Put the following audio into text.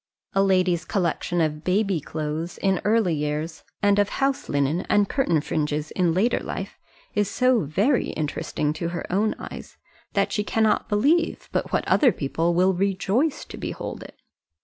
A lady's collection of baby clothes, in early years, and of house linen and curtain fringes in later life, is so very interesting to her own eyes, that she cannot believe but what other people will rejoice to behold it.